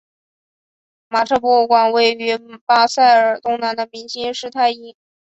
马车博物馆位于巴塞尔东南的明兴施泰因。